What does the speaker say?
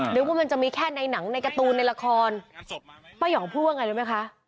นึกว่ามันจะมีแค่ในหนังในการ์ตูนในละครป้ายองพูดว่าไงรู้ไหมคะ